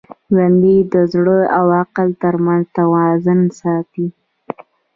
ژوندي د زړه او عقل تر منځ توازن ساتي